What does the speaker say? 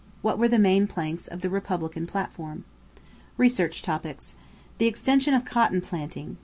What were the main planks in the Republican platform? =Research Topics= =The Extension of Cotton Planting.